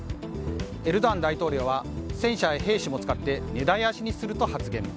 エルドアン大統領は戦車や兵士も使って根絶やしにすると発言。